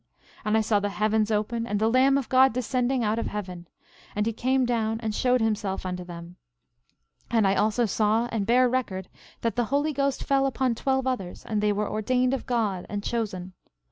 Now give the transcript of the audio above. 12:6 And I saw the heavens open, and the Lamb of God descending out of heaven; and he came down and showed himself unto them. 12:7 And I also saw and bear record that the Holy Ghost fell upon twelve others; and they were ordained of God, and chosen.